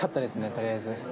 とりあえず。